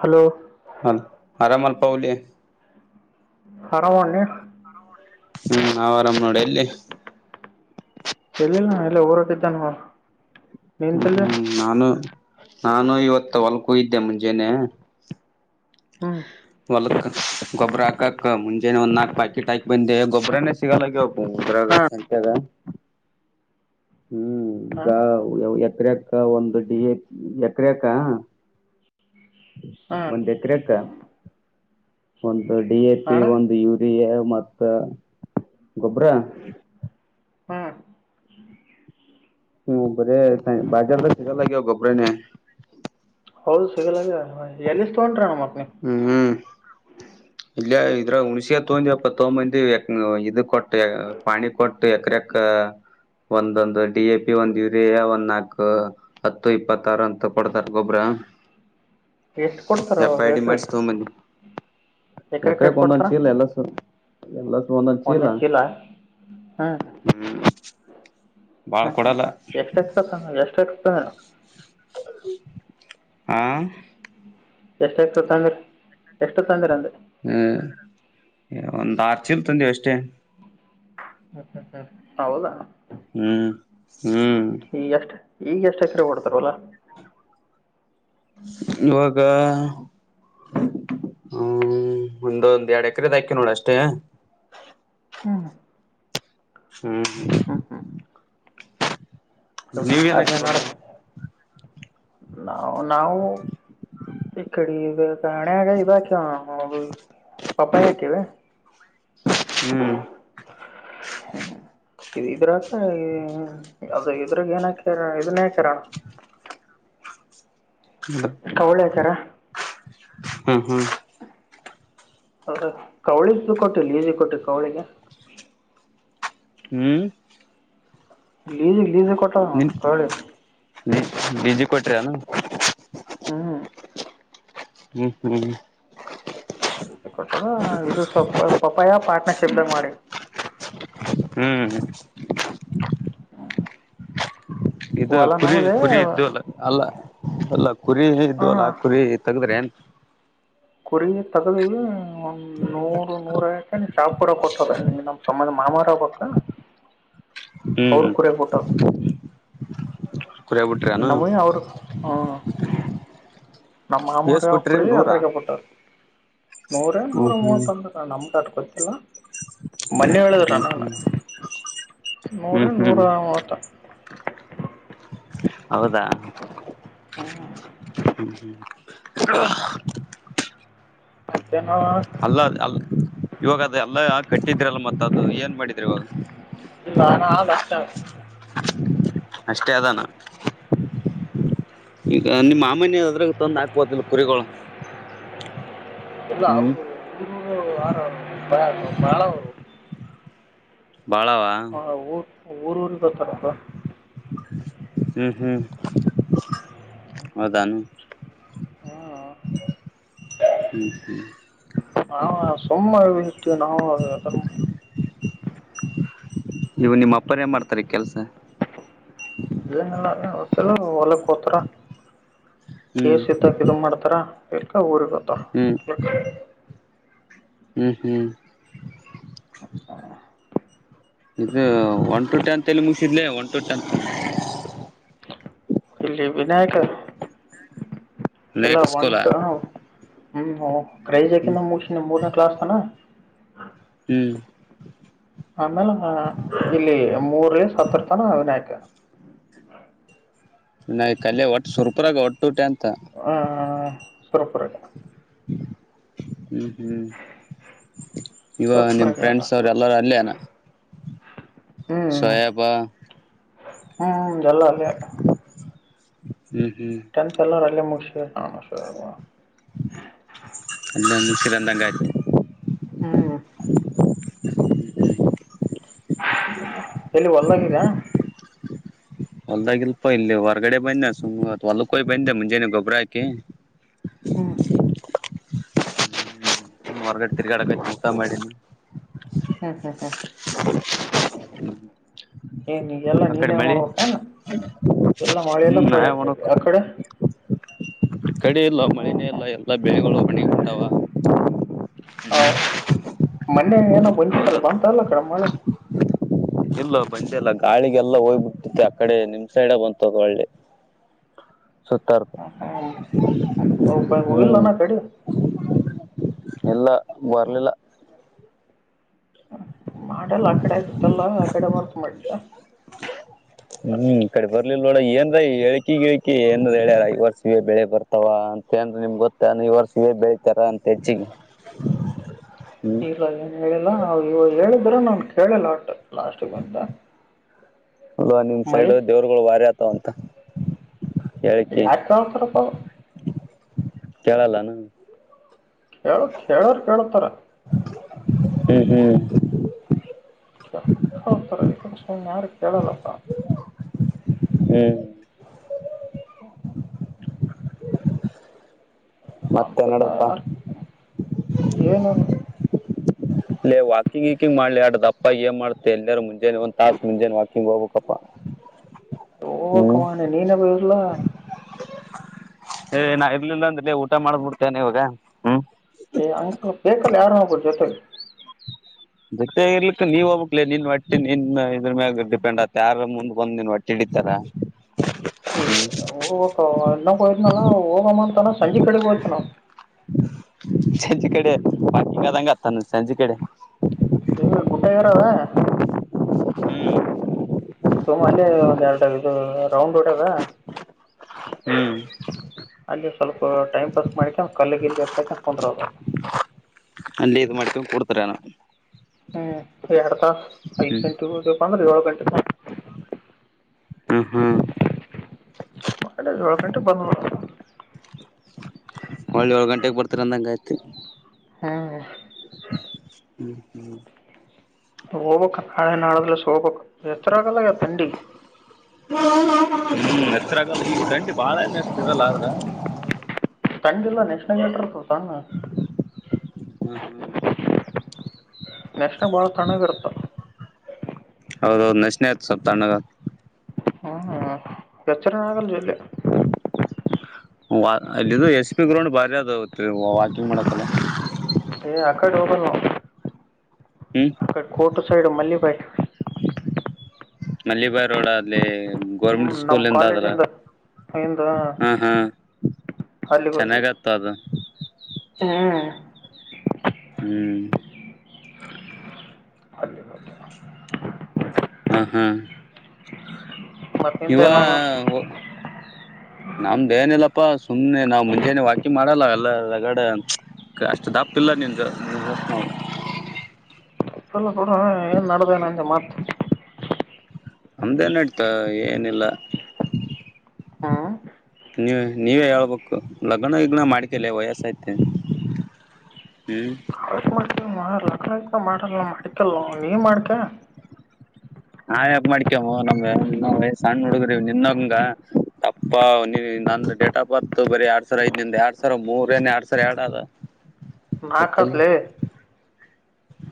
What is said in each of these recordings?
Hello ಹ ಆರಾಮಲು ಪೌಲಿ ಹರಾಮ್ಣ ಹ್ಮ್ ನಾವ್ ಆರಾಮ್ ನೋಡಿ ಎಲ್ಲಿ ಎಲ್ಲಿಿಲ್ಲ ನ ಎಲ್ಲ ಊರೋಟಿದ್ದಾನ ಅವ ಹ್ಮ ಹ್ಮ್ ನಾನು ನಾನು ಇವತ್ತು ಹೊಲ್ಕೂ ಇದ್ದೆ ಮುಂಜೇನೆ ಹಾ ಹೊಲಕ್ ಗೊಬ್ಬ್ರ ಹಾಕಕ್ ಮುಜೆನೆ ಒಂದ ನಾಕಕ್ ಪ್ಯಾಕೆಟ್ ಹಾಕಿ ಬಂದೆ ಗೊಬರನೇ ಸಿಗಲ್ಲ ಹಾಂ ತರಗಂತೆಾಗ ಹ್ಮ್ ಈಗ ಹಾಂ ಎತ್ರಕ್ಕ ಒಂದು ಡಿ ಎತ್್ರಕ್ಕ ಹಾಂ ಒಂದ್ ಎಕರೆಕ್ಕ ಒಂದು ಡಿ ಎ ಪಿ ಅಣ್ಣ ಒಂದು ಯೂರಿಯಾ ಮತ್ತ ಗೊಬ್ಬರ ಹ್ಞೂ ಹ್ಮ ಬರ ಬಾಜಾರದ ಶಕ್ಕಲ್ಲ ಗೊಬರನ ಹೌದು ಸಿಗಲ ಎಲ್ಲಿಿಸ ತಗೊಂಡ್ರಣ ಮತ್ತ ಹ್ಮ್ ಇಲ್ಲಯ ಇದ್ರ ಹುಣಸಿ ಹ ತಗಂದ ಅಪ್ಪ ತಗೊಂಬಂದಿ ಇದು ಕೊಟ್ಟು ಪಾಣಿ ಕೊಟ್ಟು ಎಕರೆ ಕ್ಕ ಒಂದೊಂದು ಡಿ ಎ ಪಿ ಒಂದ್ ಯುರಿಯಾ ಒಂದ್ ನಾಕು ಹತ್ತು ಇಪ್ಪತ್ತಾರು ಅಂತ ಕೊಡ್ತಾರ ಗೊಬ್ರ ಎಷ್ಟು ಕೊಡ್ತಾರ ಹೆಸ್ರ ಮಾಡಿಸಿ ತಗೊಂಬಂದಿ ಬಕರೆ ಎಷ್ಟ ಎಕರೆಕ್ ಕೊಡ್ತರ ಒಂದೊಂದ್ ಚೀಲ ಎಲ್ಲಸು ಎಲ್ಲಸು ಒಂದೊಂದ್ ಒಂದ ಚೀಲ ಹಾ ಹ್ಮ್ ಹಾ ಬಾಳ್ ಹಾ ಕೊಡಲ್ಲ ಹ ಎಷ್ಟ ಆತ ಎಷ್ಟುಕ್ತ ಹಾಂ ಎಷ್ಟ ಎಷ್ಟು ತೊಂದ್ರ ಎಷ್ಟು ತೊಂದರ ಅಂದ್ರೆ ಹ್ಮ್ ಒಂದ ಆರ್ಚ ಇಲ್ ತಂದವಿ ಅಷ್ಟೇ ಹ್ಮ ಹ್ಮ್ ಹ್ಮ್ ಹೌದಾ ಹ್ಮ್ ಹ್ಮ್ ಈಗ ಎಷ್ಟು ಈಗ ಎಷ್ಟ ಹತ್ತಿರ ಓಡ್ತಾರವಲ್ಲ ಬಾಗ ಹ್ಮ್ ಒಂದೊಂದ್ ಎರಡ್ ಎಕರೆದ ಹಾಕಿ ನೋಡ ಅಷ್ಟೇ ಹ್ಮ ಹ್ಮ್ ಹ್ಮ ಹ್ಮ ಹ ನೀವೇನ ಅದನ್ಡ ನಾ ನಾವು ಈ ಕಡೆ ಹಣೆಾಗ ಇಾಕ ಪಪ್ಪಾಯಿ ಹಾಕಿವ ಹ್ಮ್ ಹ್ಮ ಹ ಇ ಇದ್ರಕ ಅದು ಇದ್ರಾಗ ಏನ್ ಹಾಕ್ಯರ ಇದನ್ನೇ ಹಾಕಿರೋಣ ಕವಳ ಆತರ ಹ್ಮ್ ಹ್ಮ್ ಹೌದ ಕವಳಿದು ಕೊಟ್ಟುಲ್ಲ ಈಜ ಕೊಟ್ಟ ಕೌಳಿಗೆ ಹ್ಮ್ ಲೀಸ ಲೀಸು ಕೊಟ್ಟ ಕಳಿ ಬಜ ಕೊಟ್ರನು ಹ್ಮ್ [unintelligible] ಇ ಕೊಟ್ಟದ ಇದು ಸ್ವಲ್ಪ ಪಪಾಯ ಪಾರ್ಟ್ನರ್ಶಿಪ್ದಗ ಮಾಡಿನ್. ಹ್ಮ್ ಇದು ಹೊಲ ಕುರಿ ನಮ್ಮದೇ ಕುರಿ ಇದ್ದು ಅಲ್ಲ ಅಲ್ಲ ಕುರಿ ಇದ್ವು ಅಲ್ಲ ಹಾಂ ಕುರಿ ತಗದ್ರೆ ಏನ್ ಕುರಿ ತಗವಿ ಒಂದ್ ನೂರು ನೂರಕ ನೀ ಶಾಪುರ ಕೂಡ ಕೊಟ್ಟದ ನಮ್ ಸಮಧ ಮಾಡ ಅಮಾರಾಬಕ್ಕ ಅವರು ಹ್ಮ್ ಕುರ ಪಟ್ಟು ಕುರಿಯ ಬಿಟ್ರನು ನಮಯ ಅವರ್ ನಮ್ಮ ಮಾಮಾರ ಎಸ್ ಕೊಟ್ರಿ ಕುಡ ನೂರಾ ಅದರಿಕ ಪಟ್ಟರು ನೂರೇ ನೂರ ಹ್ಮ್ ಹ್ಮ್ ಮೂವತ್ತು ಅಂದ ನಮ್ಮ್ದಡ್ಕ. ಹಲೋ ಮನ್ನಿ ಹೇಳಿದ್ರ ಹ್ಮ್ ನ ಹ್ಮ್ ನೂರ ಹ್ಮ್ ನೂರ ಹ್ಮ್ ಮೂವತ್ತ. ಹೌದಾ ಹ್ಮ್ ಹ್ಮ್ [inaudible] ಚಿನ್ನು ಅಲ್ ಇವಾಗ ಅದೆ ಎಲ್ಲ ಹಕ್ ಕಟ್ಟಿದ್ರಲ್ಲ ಮತ್ತ ಅದು ಏನ್ ಮಾಡಿದ್ರಿ ಇವಾಗ [inaudible] ಅಷ್ಟೇ ಅದಾನ ಈಗ ನಿಮ್ಮ್ ಮಾಮನ ಅದ್ರಾಗ ತಂದು ಆಕ್ಬೋಕಲ್ಲ ಕುರಿಗಳು ಹ್ಮ್ [inaudible] ಬಾಳವಾ ಅವರು ಊರ್ ಊರಿಗ್ ತರದು [unintelligible] ಹ್ಞ ಹ್ಞ ವದಾಮ ಹ್ಮ ಹ ಸುಮ್ಮ ವೀಟ್ಟ ನಾವು ಅದ ಇವು ನಿಮ್ಮ ಅಪ್ಪರೇ ಮಾಡ್ತಾರೆ ಕೆಲ್ಸ ಇಲ್ಲಲ್ಲ ಒತ್ತಲ್ಲ ಒಲ ಕೊತ್ರ. ಹ್ಮ್ ಕೇಸ್ ಇತ್ತಕ್ ಇದು ಮಾಡ್ತಾರ ಇಲ್ಕ ಊರಿಗೆ ಗೊತ್ತಾರ ಹ್ಮ್ ಇಕ್ಕ ಹ್ಮ್ ಹ್ಮ್ [unintelligible] ಇದು ಒನ್ ಟು ಟೆತ್ ಎಲ್ಲಿ ಮುಗಸಿದ್ಲ ಒನ್ ಟು ಟೆತ್ ಇಲ್ಲಿ ವಿನಾಯಕ ಎಲ್ಲಾ ವಿನಾಯಕ ಸ್ಕೂಲಾ ಒಂಟ ಹ್ಮ್ ಹ್ಮ್ ಕ್ರೈಜಕಿಂದ ಮು ಮೂರನೇ ಕ್ಲಾಸ್ತಾನ ಹ್ಮ್ ಆಮೇಲೆ ಇಲ್ಲಿ ಮೂರ ಸತ್ತರತನ ಅವಿನಾಯಕ [inaudible] ನ ಕಲೆ ಒಟ್ಟು ಸುರ್ಪರಾಗ ಒಟ್ಟು ತೆನ್ತ ಹ ಸರಪರ ಹ್ಮ್ ಹ್ಮ್ ಈವ ನಿಮ್ ಸುರಪುರಾಗ ಎಲ್ಲ ಫ್ರೆಂಡ್ಸ್ ಅವರು ಸ ಎಲ್ಲಾರ ಅಲ್ಲಿ ಸೋಯಬಾ ಹ್ಮ್ ಎಲ್ಲ ಅಲ್ಲೆ ಹ್ಮ್ -ಹ್ಮ್ ಮುಷ -ಹ ಅಲ್ಲಕ್ಕಿರಂದಂಗ [unintelligible] ಹ್ಮ್ ಹ [inaudible] ಎಲ್ಲಿ ಒದಾಗಿದ. ಹೊಲ್ದಾಗಿಲ್ಪ ಇಲ್ಲಿ ಹೊರ್ಗಡೆ ಬಂದೆ ಸುಮ್ ಹೊಲಕ್ಕೋಯ್ ಬಂದೆ ಮುಂಜಾನ ಗೊಬ್ಬರ ಹಾಕಿ. ಹ್ಞೂ ಹೊರ್ಗಡೆ ತಿರ್ಗಾಡಕ ಚೂಸ ಮಾಡಿನ. ಹ್ಮ ಹ್ಮ -ಹಾ- ಹ ಹ್ಮ ಏನ್ಗೆಲ್ಲಾ ನೀನ್ನ್ ಮಾಡರ್ಬೇಕಣ್ಣ ಎಲ್ಲ ಮಾಡೆಲ್ಲ ಹ್ಮ್ ಕೊಳಿ ನಾಳೆ ಆ ಮಾಡಬೇಕು ಕಡೆ. ಕಡೆ ಎಲ್ಲ ಹ್ಞೂ ಮಳೆಯೇ ಹ್ಞೂ ಎಲ್ಲ ಎಲ್ಲಾ ಬೆಳೆಗಳು ಕಣ್ಣಿ ಕೊಟ್ಟ. ಹ- ಮಂಡೆ ಏನೋ ಹೌದೌದು ಅಂತ ಅಲ್ಲ ಕಡ ಮಳೆ ಇಲ್ಲ ಬಂದೆಲ್ಲ ಗಾಳಿಗೆಲ್ಲ ಹೋಗ್ಬಿಟ್ಟೆ ಆ ಕಡೆ ನಿಮ್ ಸೈಡ ಬಂತದು ಒಳ್ಳೆ. ಸತ್ತರ್ ಓ [unintelligible] ಹಲ್ಲ ನ ಕಡೆ ಎಲ್ಲ ಬರ್ಲಿಲ್ಲ. ಮಾಡಲ್ಲ ಆ ಕಡೆ ಆಗಿತ್ತಲ್ಲ ಆ ಕಡೆ ವರ್ಕ್ ಮಾಡಿದ್ದ ಹ್ಮ್ ಈ ಕಡೆ ಬರ್ಲಿಲ್ಲ ನೋಡ ಏನ್ ಎಳ್ಕಿ ಗಿಳ್ಕಿ ಏನ್ ಹೇಳ್ಯಾರ ಐ ವರ್ಷವ ಬೆಳೆ ಬರ್ತಾವ. ದ ನಿಮ್ ಗೊತ್ತ ಈ ವರ್ಷ ಏ ಬೆಳತಾರ ಅಂತ ಹೆಚ್ಚಿಗೆ ಹ್ಮ್ ಇಲ್ಲ ಏನ್ ಹೇಳಿಲ್ಲ ಇವಾಗ ಹೇಳಿದ್ರೆ ನ ಕೇಳಿಲ್ಲ ಆಟ ಲಾಸ್ಟ್ ಬಂತ. ಅಲ್ವಾ ನಿಮ್ ಸೈಡ್ ದೇವ್ರುಗಳು ವಾರಿ ಆತವ ಅಂತ. ಹೇಳಿಕಿ ಯಾಕ ಕ [unintelligible] ಸ್ರಪ ಕೇಳಲ್ಲಾನ ಕೇಳ ಕೇಳೋರ್ ಕೇಳತಾರ. ಹ್ಮ್ -ಹ್ಮ್ ಹೌ -ಸರ ಸ ಯಾರು ಕೇಳಲ್ಲಪ್ಪ. ಹ್ಮ್ ಹಾ [inaudible] ಅಂತ ಮತ್ತೆನಡದಪ್ಪಾ ಏನು ಅಲ್ಲ ವಕಿಂಗ್ ವಕಿಂಗ್ ಮಾಡ್ಲಿ ಆಡ್ದ ಅಪ್ಪಾ ಏನ್ ಮಾಡ್ತ ಎಲ್ಲಾರೂ ಮುಂಜಾನೆ ಒಂದ್ ತಾಸ ಮುಂಾನೆ ವಾಿಂಗ್ ಹೋಗ್ಬೇಕಪ್ಪ ಹ ಹ್ಮ್ ಕಮಾನೆ ನೀನ ಬರ್ಲ. ಏ -ನಾ ಇರ್ಲಿಲ್ಲ ಅಂದ್ರಿಲ್ಲ ಊಟ ಮಾಡ್ಬ ಬಿಡ್ತೇನೆ ಇವಾಗ -ಹ್ಮ್, ಏ- ಹಂಗ ಸ್ವ ಬೇಕಲ್ಲ ಯಾರು ನಬಟ್ಟ ಜೊತೆಲಿ. ಜೊತೆ ಆಗರ್ಲಿಕ್ಕೆ ನೀವ ಹೋಗಬೇಕ್ಲೆ ನಿನ್ ಒಟ್ಟಿ ನಿನ್ ಇದ್ರ ಮ್ಯಾಗ ಡಿಪೆಂಡ್ ಆಗ್ತ ಯಾರ ಮುಂದ್ ಒಂದ ನಿನ್ ಒಟ್ಟಿ ಈ ತರ [unintelligible] ಏನೊಬ್ಬಯಿದನಲ್ಲ ಹೋಗಮಂತಾನ ಸಂಜ ಕಡೆ ಹೋತನ ಸಂಜೆ ಕಡೆ ಪಾಕಿಂಗ್ ಅದಂಗಗೆ ಅತ್ತಾನ ಸಂಜೆ ಕಡೆ ಏ [unintelligible] ಸುಮಲ್ಲಿ ಒಂದ್ ಎರಡು ಇದು ರೌಂಡ್ ಹೊಡ್ಯೋದ ಹ್ಮ್ ಸ್ವಲ್ಪ ಟೈಮ್ ಪಾಸ್ ಮಾಡಿಕ ಕಲ್ಲಿಗೆ ಇಲ್ಲಿ ಎತ್ತಾಕಕಂದ್ರ ಬಂದ್ರವ್ರು ಅಲ್ಲಿ ಇದು ಮಕ್ಕ ಕೊಡ್ತಿರಾನ ಹ್ಮ್ ಎರಡ್ ತಾಸ ಐದ್ ಗಂಟೆಗೆ ಹೋಗಬೇಕ ಅಂದ್ರೆ ಏಳು ಗಂಟೆ ಹ್ಮ್ ಹ್ಮ್ ಮ ಗರ್ಮೆಂಟ್ ಬಂದ ಒಳ್ಳೆ ಏಳು ಗಂಟೆಗೆ ಬರ್ತಾರೆ ಅಂದಂಗಾಯ್ತತಿ ಹಾ ಹ್ಮ್ ಹ್ಮ್ ಹೋಬಕ್ಕ ನಾಳೆ ನಾಳಲ್ಲ ಸೋಬ ಎತ್ರಾಗಲ್ಲ ತಂಡಿ ಹ್ಮ್ ನೆಸರಾಗಲ್ಲ ಈ ಗಂಟಿ ಬಾಳ ನೆಸ್ತರಲ್ಲ ಅ್ರ ತಂಗಿಲ್ಲ ನೆಕ್ಕ್ಷ ನಂಗಟ ತ ಹ್ಮ್ ಹ್ಮ್ ನಕ್ಷನ ಬಾಳ ತಣ್ರುತ್ತ ಹೌದೌದು ನೆಶನೆ ಆಯತು ಸ್ವಲ್ಪ ತ ಅಣ್ಣಗ ಹ್ಮ್ ಹ್ಮ ಎಚ್ಚನ ಆಗಲ್ಲಲ್ಲ ಅಲ್ಲಿದು ಎಸ್ ಪಿ ಗ್ರೌಂಡ್ ಬಾರಿ ಅದ ವಾಕಿಂಗ್ ಮಾಡಕಲ್ಲ ಆಕ್ಕ ಜೋ ಹ್ಮ್ ಅಡೆ ಕೋರ್ಟ ಸೈಡು ಮಲ್ಲಿ ಬಾಯ ಮಲ್ಲಿಬಾಯ್ ರೋಡ್ ಅಲ್ಲಿ ಹ್ಞೂ ಗೋರ್ಮೆಟ್ ನಮ್ಮ ಸ್ಕೂಲ್ ಇದಂತ ತಲ್ಲ ಕಾಲೇಜಿಂದ ಇಂದ ಹಾಂ ಹಾಂ ಚೆನ್ನಾಗತ್ತು ಅದು ಹಾ ಹ್ಮ್ ಅಲ್ಲಿ ಹಾ ಹಾ ಮತ್ತೆ ನಿಂದ ಇವ ಏನದು ನಮ್ದುನಿಲ್ಲ ಅಪ್ಪಾ ಸುಮ್ಮ್ನೆ ನಾವ್ ಮುಂಜಾನೆ ವಾಕಿಂಗ ಮಾಡಲ್ಲ ಎಲ್ಲ ರಗಡೆ ಅಷ್ಟ್ ದಪ್ಪ ಇಲ್ಲ ನಿನ್ಗ ಲ್ಲಡ ಏನ್ ನದನೆ ಅಂಂತ ಮಾತ ಅಮ್ದೇನ್ ಇಡ್ತಾ ಏನಿಲ್ಲ ಹಾ ನೀವ ನೀವೇ ಹೇಳ್ಬೇಕು ಲಗ್ನ ಗಿಗ್ನ್ ಮಾಡ್ಕಲೆ ವಯಸ್ಸ ಐತೆ ಹ್ಮ್ ಕಾಲೇಜ್ ಮಾಡ್ತೀವಿ ಮಾ ಲಗ್ನ ಗಿಗ್ಣ ಮಾಡಲ್ಲ ಮಾಡ್ಕಲ್ವ ನೀವ ಮಾಡ್ಕ ನಾ ಯಪ್ ಮಾಡ್ಕ್ಯವು ನಮ್ಗೆನ್ನ ವಯಸ್ಸ ಹಣ್ಣ ಹುಡುಗ್ರವ್ ನಿನ್ನಂಗ ಅಪ್ಪ ನೀ ನನ್ನ ಡೇಟ್ ಆಫ್ ಬರ್ತ್ ಬರೀ ಎರಡ್ ಸಾವಿರ ಐದ್ ನಿಂದ ಎರಡ್ ಸಾವಿರ ಮೂರನೆ ಎರಡ್ ಸಾವರ ಎರಡ ಅದ ಗೊತ್ತಿಲ್ಲ ಮಾಕಪ್ಲೆ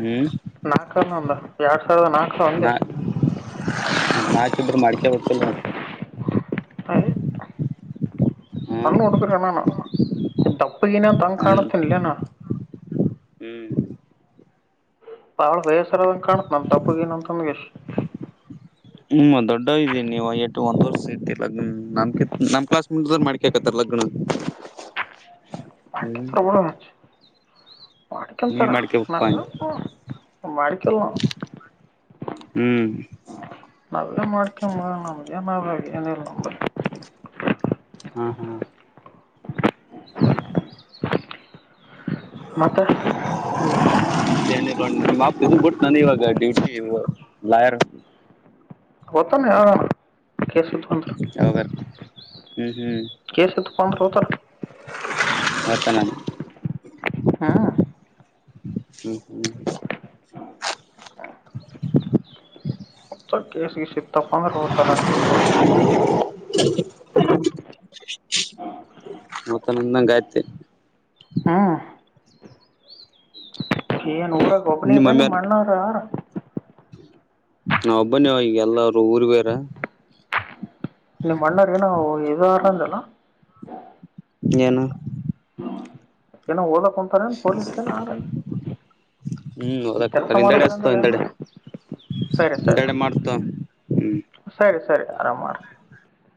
ಹ್ಮ್ ನಾಕ ಒಂದ ಎರಡ್ ಸಾವಿರದ ನಾಕ ಸಾವರ ಒಂದೇ ನಾಕಿದ್ರ ಮಾಡ್ಕಬೇಕಿಲ್ ಒಂದು ಏ ಹ್ಮ್ ಸಣ್ಣ ಒಡುಕರಣ್ಣಣ ತಪ್ಪಿಗೆಏನ ತಂಗ್ ಅಣ್ಣ ಕಾಣತ್ತನಲ್ಲಣ ಹ್ಮ್ ಅವಳ ಬೇಸರ ಕಾಣ್ತ್ ನನ್ ತಪ್ಪಗ ಏನ ಅಂತಂದ ಎಷ್ಟು ಹ್ಮ್ ದೊಡ್ಡ ಇದೀ ನೀವು ಒಂದ ವರ್ಷ ಇದ್ದಿಲ್ಲ ನಮ ನಮ್ಮ ಕ್ಲಾಸ್ಟ್ ಮಾಡ್ಕಕತ್ತಲ್ಲ ಲಗನ ಬಕಿ ತರ ಬರ ನೀ ಮಾಡಿಕಂತಾರ ನ ಮಾಡ್ಕೇಬೇಕಪ್ಪಾ ಮಾಡಿಕಲ್ಲ ನ ಹ್ಮ್ ನಲ್ಲ ಮಾಡಾರ್ಕ ಮಾಡ ನ ಎ ಮಾಡಭಾಗಿ ಎನ ನ ಹಾ ಹಾ ಮತ್ತ ನಿಮ್ಮಪ್ಪ ಇದು ಬಿಟ್ಟನ ಇವಾಗ ಡ್ಯೂಟಿ ಲಾಯರ್ ಹೊತ್ತನ್ ಯ ಕೆಸಿ ತಂದ ಯಾವಾಗ ಹ್ಮ್ ಕೆಸಿ ತಪಾಂದ್ರ ಹತಾರ ಮತ್ತನ ಹಾ ಹ್ಮ್ ಹ್ಮ್ ಕೇಸಿಗೆ ಸಿತ್ತಪ್ಪ ಅಂದ್ರೆ ಹತಾರಾಕ ಬರ್ತ ಮತ್ತಂದಂಗಾಯ್ತ್ು ಹ್ಮ್ ಏನ್ ಊಟ ಗ ಒಬ್ಬನ ಇದದೆನೆ ಮಾಡಣನಾರಾರ ನ ಒಬ್ಬನವ ಈಗ ಎಲ್ಲರು ಊರ್ ಬೇರ ಇನ್ನ ಮ್ಣಾರೆ ಏನ ಎದಾರಲ್ಲಂತಲ್ಲ ಜನು ಏನ ಓದಾ ಕೊಂತಾನ ಪಲೀ ಹ್ಮ್ ಹಓದತಾರೆ ಹಿಂದೆಡೆ ಹಸ್ತ ಹಿಂದೆಡೆ ಸರಿ ಸರಿ ಹಿಂದೆಡೆ ಮಾಡ್ತ ಹ್ಮ್ ಸರಿ ಸರಿ ಆರಾಮ